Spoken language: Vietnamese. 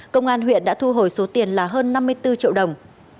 công an huyện đã thu hồi số tiền là hơn năm mươi bốn triệu đồng